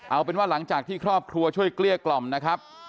เอาเป็นว่าหลังจากที่ครอบครัวช่วยเกลี้ยกล่อมนะครับ